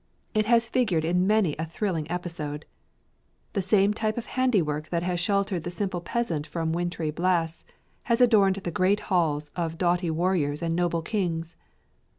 It has figured in many a thrilling episode. The same type of handiwork that has sheltered the simple peasant from wintry blasts has adorned the great halls of doughty warriors and noble kings.